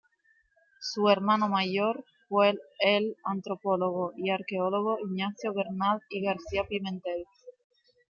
Su hermano mayor fue el antropólogo y arqueólogo Ignacio Bernal y García Pimentel.